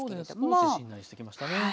少ししんなりしてきましたね。